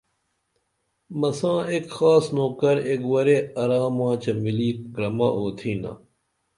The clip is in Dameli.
مساں ایک خاص نوکر ایک ورے ارا ماچہ ملی کرمہ اُوتھینا